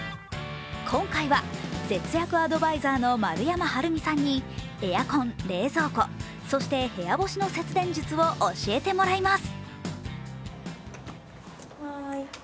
今回は節約アドバイザーの丸山晴美さんにエアコン、冷蔵庫、そして部屋干しの節電術を教えてもらいます。